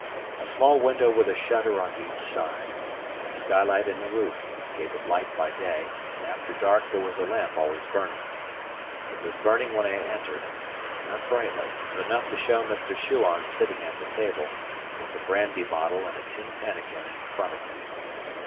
A small window with a shutter on each side, and a skylight in the roof, gave it light by day; and after dark there was a lamp always burning. It was burning when I entered, not brightly, but enough to show Mr. Shuan sitting at the table, with the brandy bottle and a tin pannikin in front of him.